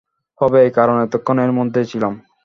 হবেই, কারন এতক্ষণ এর মধ্যেই ছিলাম।